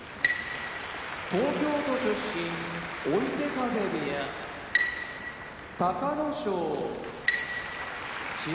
東京都出身追手風部屋隆の勝千葉県出身